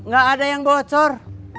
gak ada yang bocor